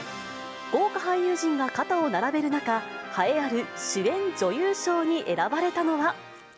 豪華俳優陣が肩を並べる中、栄えある主演女優賞に選ばれたのは。